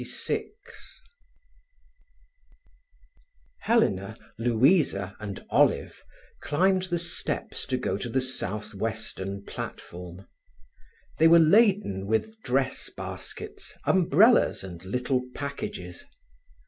XXVI Helena, Louisa, and Olive climbed the steps to go to the South Western platform. They were laden with dress baskets, umbrellas, and little packages.